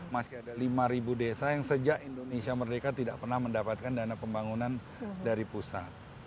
masih ada lima desa yang sejak indonesia merdeka tidak pernah mendapatkan dana pembangunan dari pusat